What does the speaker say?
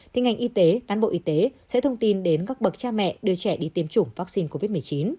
thì ngành y tế cán bộ y tế sẽ thông tin đến các bậc cha mẹ đưa trẻ đi tiêm chủng vaccine covid một mươi chín